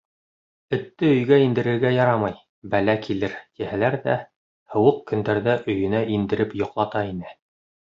Этте өйгә индерергә ярамай, бәлә килер, тиһәләр ҙә, һыуыҡ көндәрҙә өйөнә индереп йоҡлата ине.